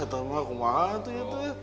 ya tau mah aku mati